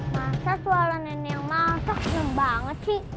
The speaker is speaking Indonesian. masak walau nenek yang masak seneng banget sih